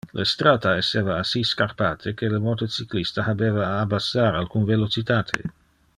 Le strata esseva assi scarpate que le motocyclista habeva a abassar alcun velocitate.